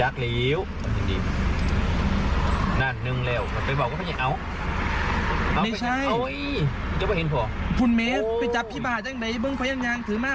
คุณเมฆไปจับพี่บ้าจังไงเบื้องพยายามยางถือมา